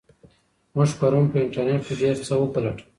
موږ پرون په انټرنیټ کې ډېر څه وپلټل.